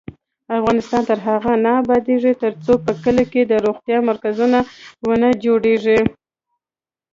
افغانستان تر هغو نه ابادیږي، ترڅو په کلیو کې د روغتیا مرکزونه ونه جوړیږي.